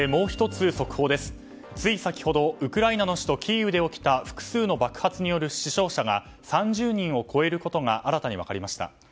つい先ほどウクライナの首都キーウで起きた複数の爆発による死傷者が３０人を超えることが新たに分かりました。